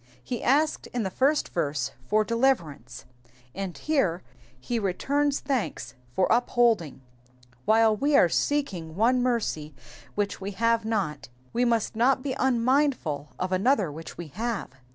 He asked in th^ first verse for deliverance, and here he returns thanks for upholding : while we are seeking one mercy which we have not, we must not be unmindful of another which we have.